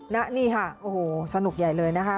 นี่ค่ะโอ้โหสนุกใหญ่เลยนะคะ